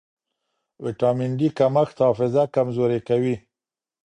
ویټامن ډي کمښت حافظه کمزورې کوي.